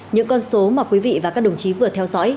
những con số mà quý vị và các đồng chí vừa theo dõi